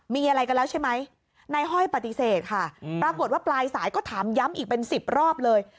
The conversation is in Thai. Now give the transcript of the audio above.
มีอะไรกันแล้วใช่ไหมนายห้อยปฏิเสธค่ะปรากฏว่าปลายสายก็ถามย้ำอีกเป็น๑๐รอบเลย